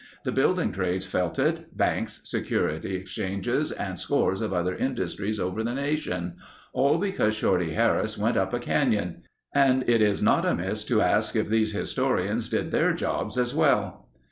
The building trades felt it, banks, security exchanges, and scores of other industries over the nation—all because Shorty Harris went up a canyon. And it is not amiss to ask if these historians did their jobs as well.